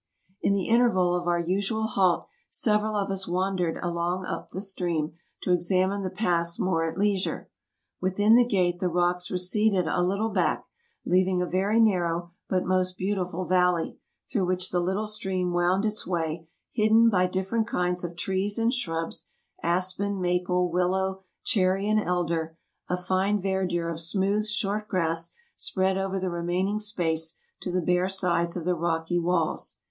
In the interval of our usual halt several of us wandered along up the stream to examine the pass more at leisure. Within the gate the rocks receded a little back, leaving a very narrow, but most beautiful valley, through which the little stream wound its way, hidden by different kinds of trees and shrubs — aspen, maple, willow, cherry, and elder; a fine verdure of smooth short grass spread over the remain ing space to the bare sides of the rocky walls.